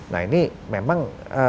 nah ini memang